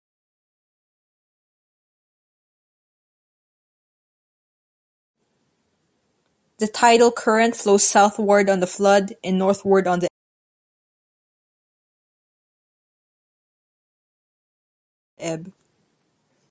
The tidal current flows southward on the flood and northward on the ebb.